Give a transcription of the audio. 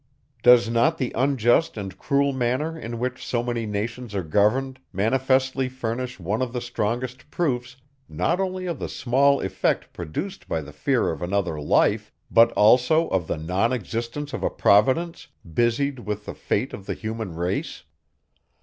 Does not the unjust and cruel manner in which so many nations are governed, manifestly furnish one of the strongest proofs, not only of the small effect produced by the fear of another life, but also of the non existence of a Providence, busied with the fate of the human race?